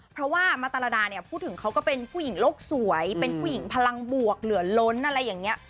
เพราะว่ามาตรดาเนี่ยพูดถึงเขาก็เป็นผู้หญิงโลกสวยเป็นผู้หญิงพลังบวกเหลือล้นอะไรอย่างนี้